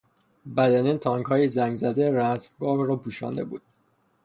بدنهی تانکهای زنگ زده رزمگاه را پوشانده بود.